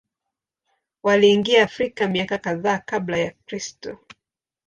Waliingia Afrika miaka kadhaa Kabla ya Kristo.